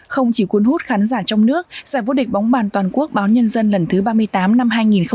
không chỉ cuốn hút khán giả trong nước giải vô địch bóng bàn toàn quốc báo nhân dân lần thứ ba mươi tám năm hai nghìn hai mươi